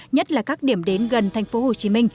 nhất là các điểm đến gần tp hcm